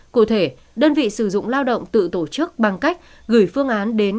cụ thể đơn vị sử dụng lao động tự tổ chức bằng cách gửi phương án đến